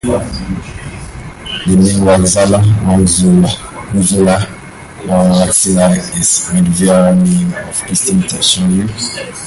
The name Wexalia, Wuxalia, or Wecsile is the medieval name of eastern Terschelling.